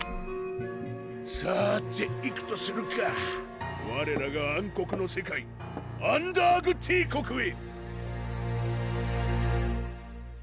さて行くとするかわれらが暗黒の世界・アンダーグ帝国へ！